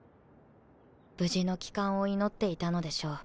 無事の帰還を祈っていたのでしょう。